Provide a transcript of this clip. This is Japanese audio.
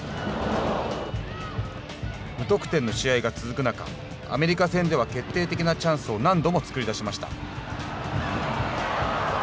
無得点の試合が続く中アメリカ戦では決定的なチャンスを何度も作り出しました。